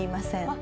あ！